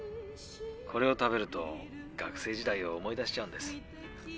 これを食べると学生時代を思い出しちゃうんです。